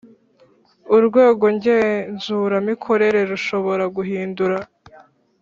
urwego ngenzuramikorere rushobora guhindura